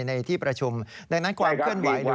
ในที่ประชุมดังนั้นความเคลื่อนไหว